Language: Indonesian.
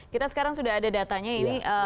kita sekarang sudah ada datanya ini